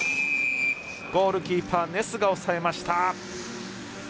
ゴールキーパーネスが抑えました。